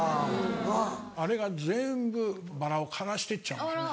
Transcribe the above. あれが全部バラを枯らしていっちゃうんですね。